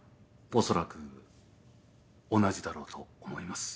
おそらく同じだろうと思います